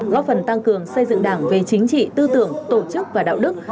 góp phần tăng cường xây dựng đảng về chính trị tư tưởng tổ chức và đạo đức